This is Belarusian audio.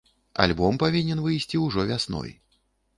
Альбом павінен выйсці ўжо вясной.